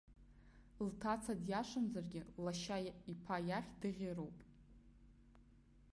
Лҭаца диашамзаргьы, лашьа иԥа иахь даӷьыроуп.